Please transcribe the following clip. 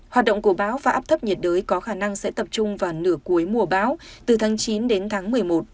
hoạt động của bão và áp thấp nhiệt đới có khả năng sẽ tập trung vào nửa cuối mùa bão từ tháng chín đến tháng một mươi một